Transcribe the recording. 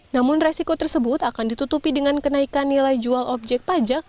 namun resiko tersebut akan ditutupi dengan kenaikan nilai jual objek pajak